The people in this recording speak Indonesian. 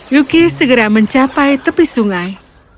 yuki segera mencapai tepi sungai